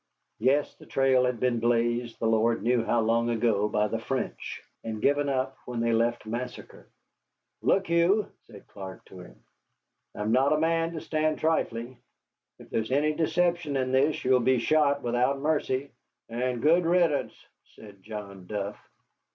Yes, the trail had been blazed the Lord knew how long ago by the French, and given up when they left Massacre. "Look you," said Clark to him, "I am not a man to stand trifling. If there is any deception in this, you will be shot without mercy." "And good riddance," said John Duff.